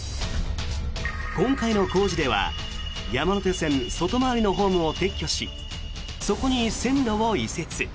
今回の工事では山手線外回りのホームを撤去しそこに線路を移設。